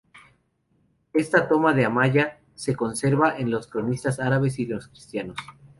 Esta toma de Amaya se conserva en los cronistas árabes y en los cristianos.